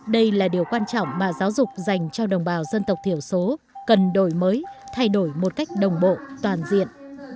đây là điều quan trọng mà giáo dục dành cho đồng bào dân tộc thiểu số cần đổi mới thay đổi một cách đồng bộ toàn diện